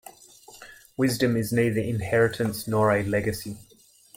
Wisdom is neither inheritance nor a legacy.